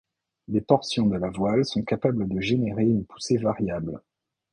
Des portions de la voile sont capables de générer une poussée variable.